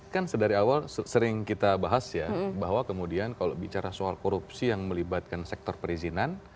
kan sedari awal sering kita bahas ya bahwa kemudian kalau bicara soal korupsi yang melibatkan sektor perizinan